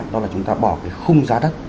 đó là chúng ta bỏ cái khung giá đất